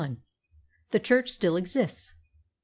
The church still exists.